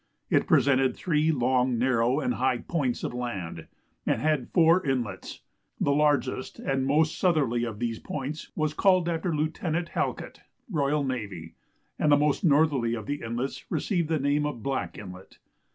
It presented three long, narrow, and high points of land, and had four inlets. The largest and most southerly of these points was called after Lieut. Halkett, R.N., and the most northerly of the inlets received the name of Black Inlet.